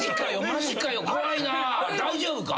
大丈夫か？